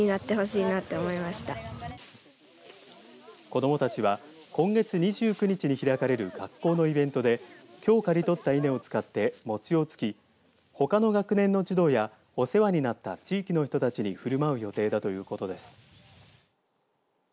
子どもたちは今月２９日に開かれる学校のイベントできょう刈り取った稲を使って餅をつきほかの学年の児童やお世話になった地域の人たちにふるまう予定だということです。